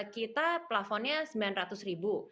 kita pelafonnya rp sembilan ratus